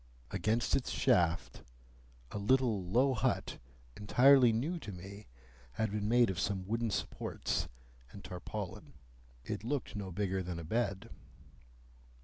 Against its shaft, a little low hut, entirely new to me, had been made of some wooden supports and tarpaulin. It looked no bigger than a bed.